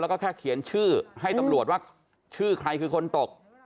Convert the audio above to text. แล้วก็แค่เขียนชื่อให้ตำรวจว่าชื่อใครคือคนตก